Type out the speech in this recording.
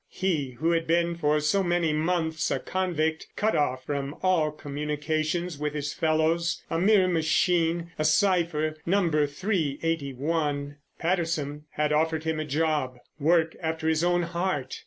He, who had been for so many months a convict, cut off from all communications with his fellows—a mere machine, a cypher! Number 381! Patterson had offered him a job. Work after his own heart.